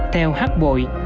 theo hát bội